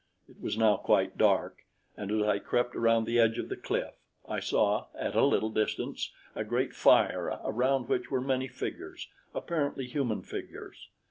It was now quite dark, and as I crept around the edge of the cliff, I saw at a little distance a great fire around which were many figures apparently human figures.